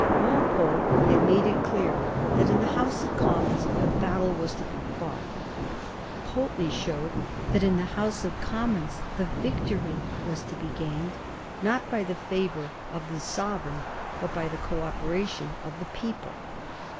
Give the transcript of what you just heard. Walpole had made it clear that in the House of Com mons the battle was to be fought ; Pulteney showed that in the House of Commons the victory was to be gained, not by the favour of the sovereign, but by the co operation of the people.